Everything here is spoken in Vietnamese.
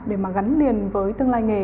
để mà gắn liền với tương lai nghề